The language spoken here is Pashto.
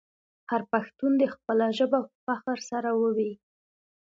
هر پښتون دې خپله ژبه په فخر سره وویې.